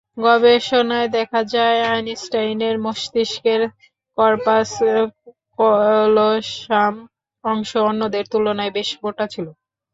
গবেষণায় দেখা যায়, আইনস্টাইনের মস্তিষ্কের কর্পাস কোলোসাম অংশ অন্যদের তুলনায় বেশ মোটা ছিল।